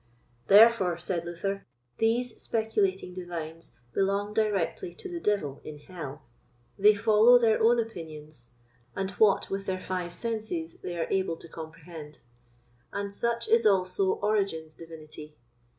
Therefore, said Luther, these speculating Divines belong directly to the devil in hell. They follow their own opinions, and what with their five senses they are able to comprehend; and such is also Origen's divinity.